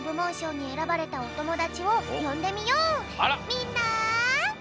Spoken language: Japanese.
みんな！